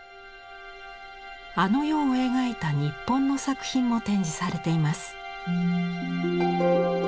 あの世を描いた日本の作品も展示されています。